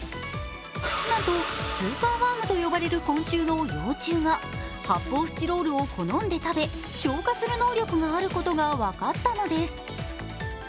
なんと、スーパーワームと呼ばれる昆虫の幼虫が発泡スチロールを好んで食べ消化する能力があることが分かったのです。